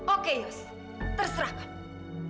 oke yos terserahkan